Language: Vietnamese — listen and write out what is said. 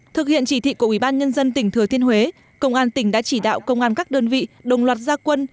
thực hiện chỉ thị của ubnd tỉnh thừa thiên huế công an tỉnh đã chỉ đạo công an các đơn vị đồng loạt ra quân